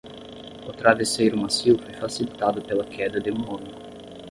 O travesseiro macio foi facilitado pela queda de um homem.